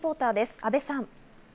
阿部さん。